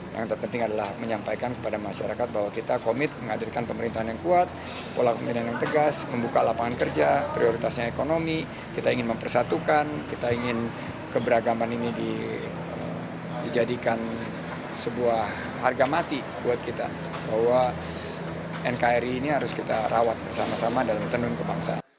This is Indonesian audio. yang terpenting adalah menyampaikan kepada masyarakat bahwa kita komit menghadirkan pemerintahan yang kuat pola pemerintahan yang tegas membuka lapangan kerja prioritasnya ekonomi kita ingin mempersatukan kita ingin keberagaman ini diperlukan